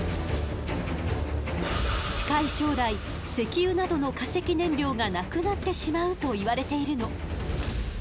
近い将来石油などの化石燃料がなくなってしまうといわれているの。